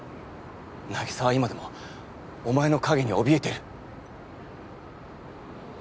凪沙は今でもお前の影におびえてる。